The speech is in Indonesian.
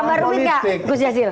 tambah rumit gak gus jazil